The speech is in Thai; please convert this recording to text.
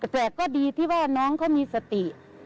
แต่ก็ดีที่ว่าน้องเขามีสติ